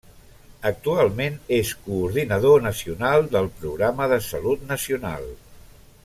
Actualment és Coordinador Nacional del Programa de Salut Nacional.